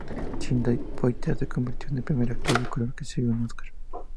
Sidney Poitier se convirtió en el primer actor de color que recibió un Óscar.